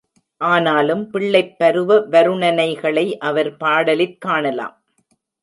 ஆனாலும் பிள்ளைப் பருவ வருணனைகளை அவர் பாடலிற் காணலாம்.